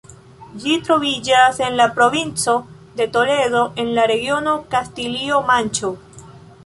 Ĝi troviĝas en la provinco de Toledo, en la regiono Kastilio-Manĉo.